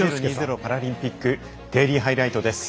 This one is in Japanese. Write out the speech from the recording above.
パラリンピック・デイリーハイライトです。